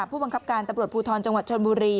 ผู้บังคับการตำรวจภูทรจังหวัดชนบุรี